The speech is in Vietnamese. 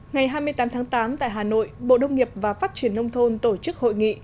ngày hai mươi tám tháng tám tại hà nội bộ đông nghiệp và phát triển nông thôn tổ chức hội nghị